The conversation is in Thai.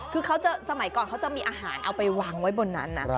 คือเขาจะสมัยก่อนเขาจะมีอาหารเอาไปวางไว้บนนั้นนะ